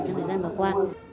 trong thời gian vừa qua